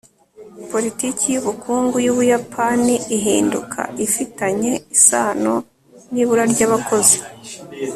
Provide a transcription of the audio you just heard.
politiki y'ubukungu y'ubuyapani ihinduka ifitanye isano n'ibura ry'abakozi